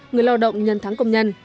người lao động nhân thắng công nhân